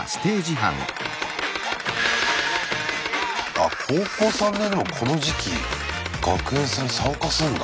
あっ高校３年のこの時期学園祭に参加すんだ。